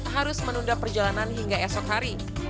harus menunda perjalanan hingga esok hari